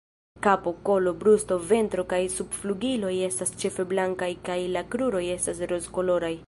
Kapo, kolo, brusto, ventro kaj subflugiloj estas ĉefe blankaj kaj la kruroj estas rozkoloraj.